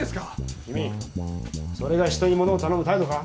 君それが人にモノを頼む態度か？